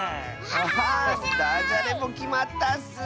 ハハーだじゃれもきまったッス！